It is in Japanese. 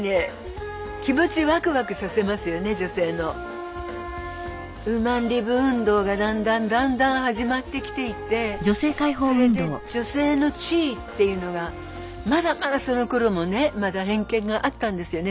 やっぱりねウーマンリブ運動がだんだんだんだん始まってきていてそれで女性の地位っていうのがまだまだそのころもねまだ偏見があったんですよね